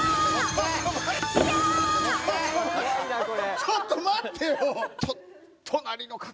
ちょっと待ってよ。